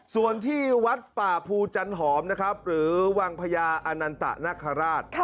ส่วนที่วัดป่าภูจันหอมนะครับหรือวังพญาอนันตะนคราช